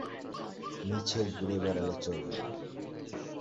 মিছে ঘুরে বেড়ালে চলবে না।